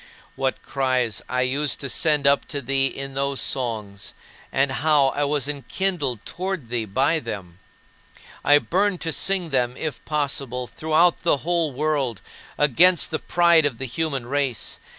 What cries I used to send up to thee in those songs, and how I was enkindled toward thee by them! I burned to sing them if possible, throughout the whole world, against the pride of the human race.